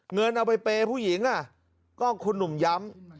เงินเอาไปเปย์ผู้หญิงก็คุณหนุ่มย้ำ